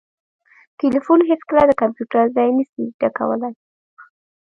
ټلیفون هیڅکله د کمپیوټر ځای نسي ډکولای